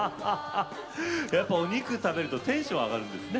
お肉を食べるとテンションあがるんですね。